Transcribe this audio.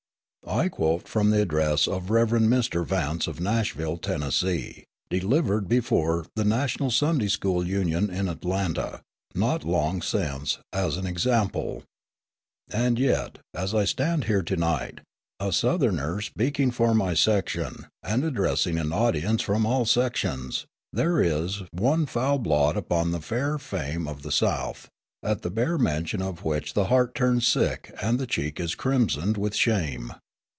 I quote from the address of the Rev. Mr. Vance, of Nashville, Tennessee, delivered before the National Sunday School Union in Atlanta, not long since, as an example: "And yet, as I stand here to night, a Southerner speaking for my section, and addressing an audience from all sections, there is one foul blot upon the fair fame of the South, at the bare mention of which the heart turns sick and the cheek is crimsoned with shame.